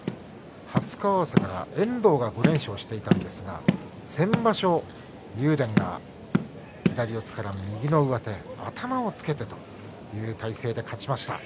初顔合わせから遠藤が５連勝していたんですが先場所、竜電が左四つから右の上手頭をつけてという体勢で勝ちました。